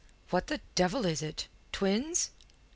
"What the devil is it? Twins?"